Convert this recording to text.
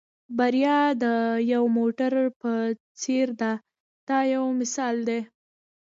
بریا د یو موټر په څېر ده دا یو مثال دی.